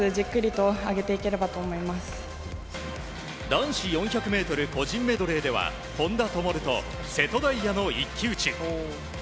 男子４００ｍ個人メドレーでは本多灯と瀬戸大也の一騎打ち。